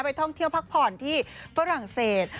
ท่องเที่ยวพักผ่อนที่ฝรั่งเศส